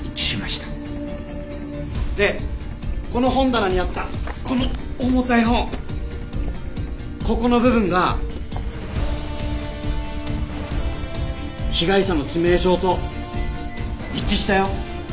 でこの本棚にあったこの重たい本ここの部分が被害者の致命傷と一致したよ。